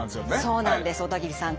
そうなんです小田切さん。